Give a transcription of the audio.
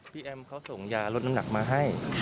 แอมเขาส่งยาลดน้ำหนักมาให้